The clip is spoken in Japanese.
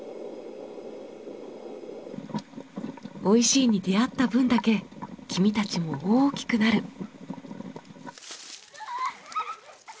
おいしいに出会った分だけ君たちも大きくなる。